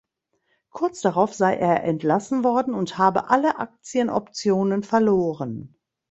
Kurz darauf sei er entlassen worden und habe alle Aktienoptionen verloren.